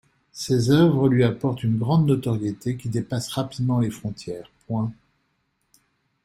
Ses œuvres lui apportent une grande notoriété qui dépasse rapidement les frontières.